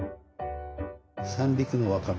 三陸のわかめ